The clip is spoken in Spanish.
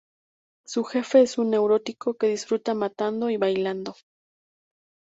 Su jefe es un neurótico que disfruta matando y bailando.